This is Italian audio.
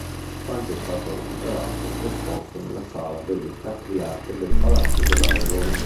Quanto è stato recuperato è esposto nella Sala delle Capriate del Palazzo della Ragione.